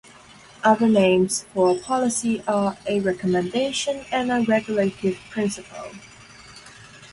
Other names for a policy are a "recommendation" and a "regulative principle".